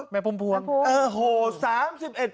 แม่พุ่มพวง